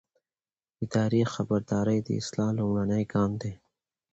اداري خبرداری د اصلاح لومړنی ګام دی.